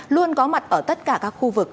luôn có mặt ở tất cả các khuôn